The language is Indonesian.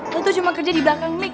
aku tuh cuma kerja di belakang mic